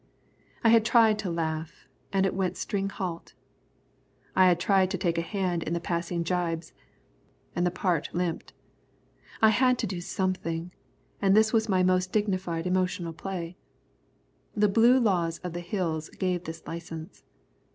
I had tried to laugh, and it went string halt. I had tried to take a hand in the passing gibes, and the part limped. I had to do something, and this was my most dignified emotional play. The blue laws of the Hills gave this licence.